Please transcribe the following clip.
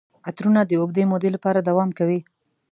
عطرونه د اوږدې مودې لپاره دوام کوي.